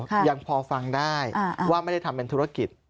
ยังพอฟังได้ว่าไม่ได้ทำเป็นธุรกิจ